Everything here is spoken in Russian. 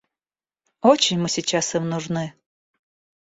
Очень мы сейчас им нужны.